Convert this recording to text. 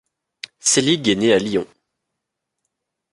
Sellig est né le à Lyon.